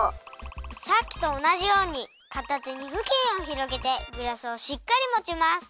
さっきとおなじようにかた手にふきんをひろげてグラスをしっかりもちます。